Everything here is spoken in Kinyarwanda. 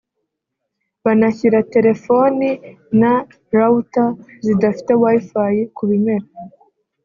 banashyira telefoni na Router zidafite Wi-Fi ku bimera